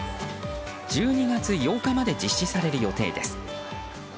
１２月８日まで実施される予定です。